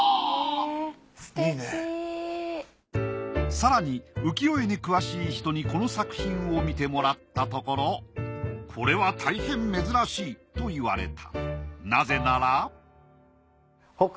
更に浮世絵に詳しい人にこの作品を見てもらったところ「これは大変珍しい！」と言われた。